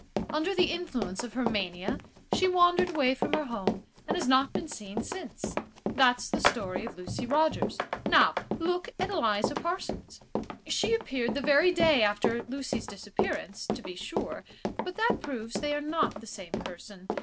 Under the influence of her mania she wandered away from her home, and has not been seen since. That's the story of Lucy Rogers. Now look at Eliza Parsons. She appeared the very day after Lucy's disappearance, to be sure; but that proves they are not the same person.